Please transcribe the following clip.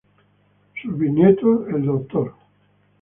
Sus bisnietos, El Dr.